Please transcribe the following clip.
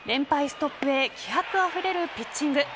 ストップへ気迫あふれるピッチング。